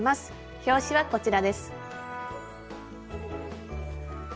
表紙はこちらです。